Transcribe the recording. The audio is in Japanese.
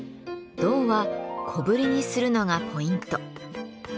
胴は小ぶりにするのがポイント。